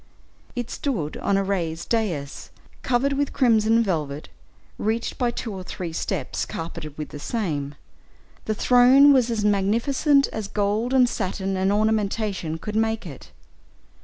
It stood on a raised dais, covered with crimson velvet, reached by two or three steps carpeted with the same; the throne was as magnificent as gold, and satin, and ornamentation could make it.